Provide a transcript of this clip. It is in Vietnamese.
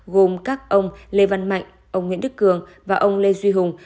gồm các ông lê văn mạnh ông nguyễn đức cường và ông lê duy hùng